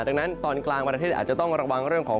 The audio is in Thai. ดังนั้นตอนกลางประเทศอาจจะต้องระวังเรื่องของ